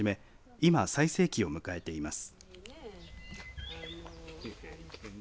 今、最盛期を迎えています。